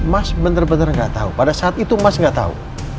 mas bener bener gak tahu pada saat itu mas gak tahu